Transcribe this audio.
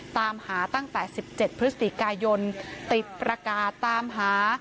ตามหาตั้งแต่๑๗พฤศจิกายนติดประกาศตามหา